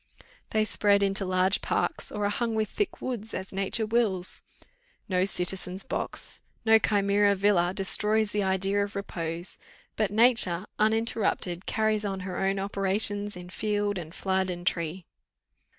they spread into large parks, or are hung with thick woods, as nature wills. No citizen's box, no chimera villa destroys the idea of repose; but nature, uninterrupted, carries on her own operations in field, and flood, and tree."